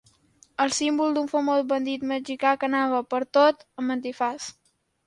El símbol d'un famós bandit mexicà que anava pertot amb antifaç.